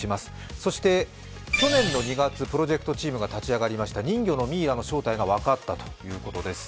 そして去年の２月、プロジェクトチームが立ち上がりました人魚のミイラの正体が分かったということです。